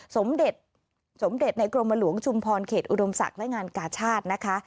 สมเด็จสมเด็จในกรมหลวงชุมพรเขตอุดมศักดิ์และงานกาชาตินะคะ